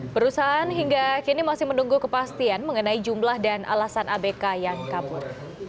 perusahaan hingga kini masih menunggu kepastian mengenai jumlah dan alasan abk yang kabur